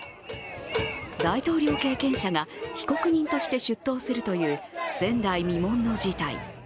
大統領経験者が被告人として出頭するという前代未聞の事態。